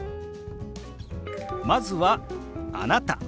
まずは「あなた」。